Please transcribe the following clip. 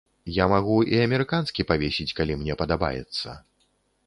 Я магу і амерыканскі павесіць, калі мне падабаецца.